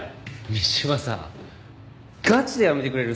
三島さガチでやめてくれる？